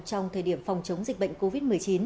trong thời điểm phòng chống dịch bệnh covid một mươi chín